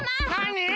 なに？